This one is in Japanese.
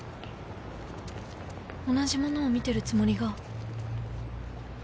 同じものを見てるつもりが